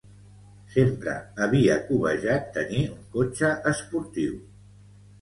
Sempre havia cobejat tenir un cotxe esportiu.